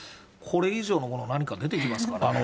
これ以上のもの、何か出てきますかね。